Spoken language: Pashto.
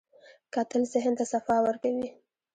کتل ذهن ته صفا ورکوي